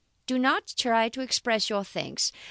Do not try to express your thanks.